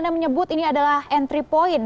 anda menyebut ini adalah entry point